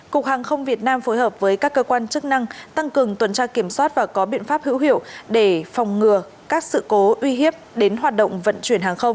cục hàng không việt nam phối hợp với các cơ quan chức năng tăng cường tuần tra kiểm soát và có biện pháp hữu hiệu để phòng ngừa các sự cố uy hiếp đến hoạt động vận chuyển hàng không